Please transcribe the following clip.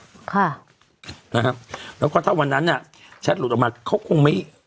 ค่ะนะครับแล้วก็ถ้าวันนั้นอ่ะแชทหลุดออกมาเขาคงไม่